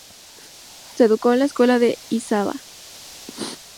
Se educó en la escuela de Isaba.